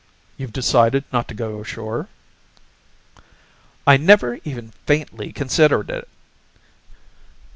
"You've decided not to go ashore?" "I never even faintly considered it."